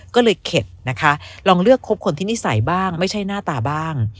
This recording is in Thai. ก็เลยเข็ดนะคะลองเลือกครบคนที่นิสัยบ้างไม่ใช่หน้าตาบ้าง